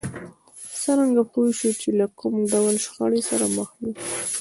څرنګه پوه شو چې له کوم ډول شخړې سره مخ يو؟